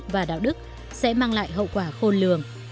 và đạo đức sẽ mang lại hậu quả khôn lường